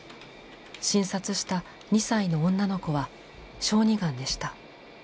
診察した２歳の女の子は小児がんでした。